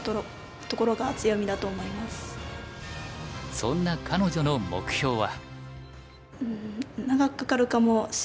そんな彼女の目標は。